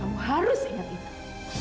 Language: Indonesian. kamu harus ingat itu